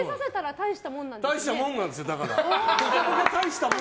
大したもんなんです。